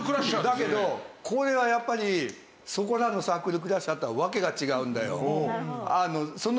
だけどこれはやっぱりそこらのサークルクラッシャーとは訳が違うんだよ。